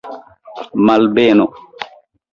Malbeno!